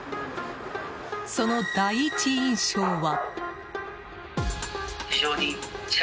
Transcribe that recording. その第一印象は。